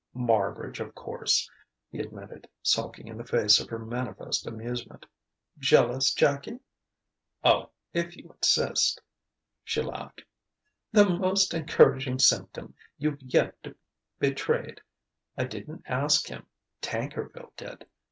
"Marbridge, of course," he admitted, sulking in the face of her manifest amusement. "Jealous, Jackie?" "Oh if you insist." She laughed. "The most encouraging symptom you've yet betrayed!... I didn't ask him. Tankerville did.